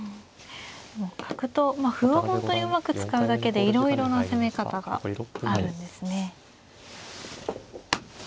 角と歩を本当にうまく使うだけでいろいろな攻め方があるんですね。